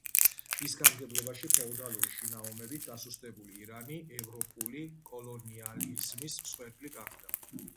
მის გამგებლობაში ფეოდალური შინაომებით დასუსტებული ირანი ევროპული კოლონიალიზმის მსხვერპლი გახდა.